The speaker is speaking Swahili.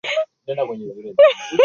Yaani umekosa maneno ya kusema